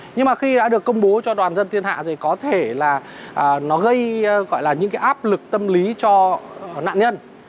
nhưng mà khi đã được công bố cho đoàn dân tiên hạ thì có thể là nó gây gọi là những cái áp lực tâm lý cho nạn nhân